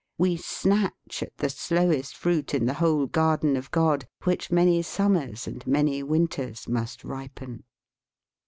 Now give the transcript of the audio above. We snatch at the slowest fruit in the whole garden of God, which many summers and many winters must ripen."